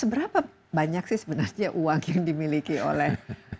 seberapa banyak sih sebenarnya uang yang dimiliki oleh